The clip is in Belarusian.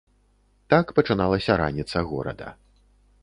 Так пачыналася раніца горада.